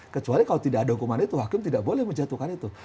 kecuali kalau tidak ada hukuman itu hakim tidak boleh menjatuhkan itu